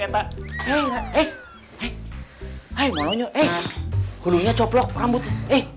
disuruh suruh beli sate